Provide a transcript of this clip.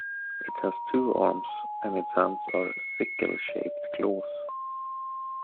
It has two arms and its hands are sickle-shaped claws.